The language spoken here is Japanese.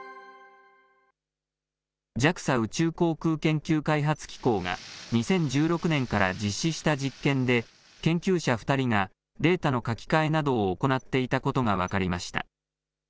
ＪＡＸＡ・宇宙航空研究開発機構が２０１６年から実施した実験で、研究者２人がデータの書き換えなどを行っていたことが分かりました。